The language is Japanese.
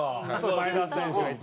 小木：前田選手がいて。